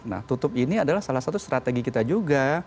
nah tutup ini adalah salah satu strategi kita juga